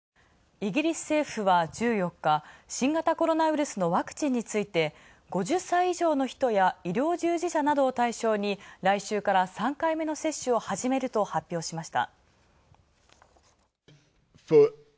イギリス政府は１４日、新型コロナウイルスのワクチンについて５０歳以上の人や医療従事者などを対象に来週から３回目の接種を始めると発表しました。